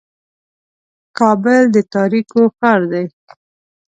کابل د تاریکو ښار دی.